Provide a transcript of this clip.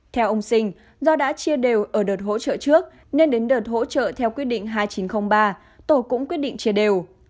theo ông sinh do đã chia đều ở đợt hỗ trợ trước nên đến đợt hỗ trợ theo quyết định hai nghìn chín trăm linh ba tổ cũng quyết định chia đều